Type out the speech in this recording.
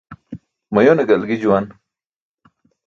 Mayone galgi juwan.